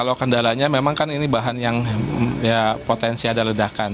kalau kendalanya memang kan ini bahan yang potensi ada ledakan